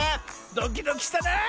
ドキドキしたなあ！